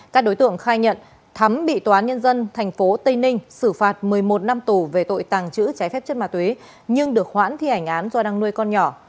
các đối tượng khai nhận thắm bị tòa án nhân dân tp tây ninh xử phạt một mươi một năm tù về tội tàng trữ trái phép chất ma túy nhưng được hoãn thi hành án do đang nuôi con nhỏ